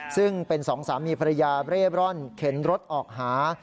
ซึ่งเป็นสองสามีภรรยาเร่ร่อนเข็นรถออกหา